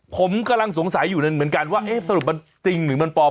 ผมกำลังสงสัยอยู่เหมือนกันว่าเอ๊ะสรุปมันจริงหรือมันปลอม